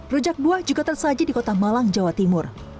rujak buah juga tersaji di kota malang jawa timur